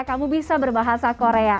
kamu bisa belajar bahasa bahasa korea